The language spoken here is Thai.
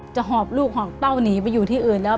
หอบลูกหอบเต้าหนีไปอยู่ที่อื่นแล้ว